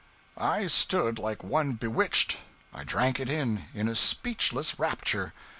I stood like one bewitched. I drank it in, in a speechless rapture.